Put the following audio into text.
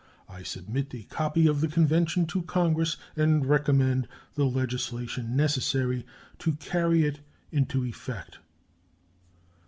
I submit a copy of the convention to Congress, and recommend the legislation necessary to carry it into effect.